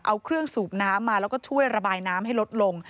เอาเครื่องสูบน้ำมาแล้วก็ช่วยระบายน้ำให้ลดลง